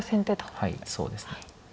はいそうですね。